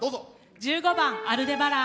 １５番「アルデバラン」。